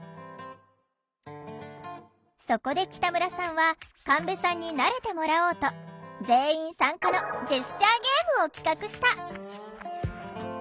そこで北村さんは神戸さんに慣れてもらおうと全員参加のジェスチャーゲームを企画した！